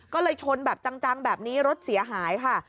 ก็เลยชนแบบจังแบบนี้รถเสียหายค่ะ